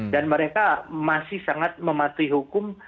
dan mereka masih sangat mematuhi hukum